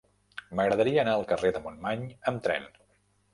M'agradaria anar al carrer de Montmany amb tren.